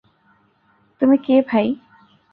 তুমি কে ভাই?